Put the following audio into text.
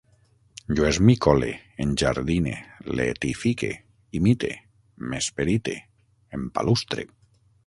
Jo esmicole, enjardine, letifique, imite, m'esperite, empalustre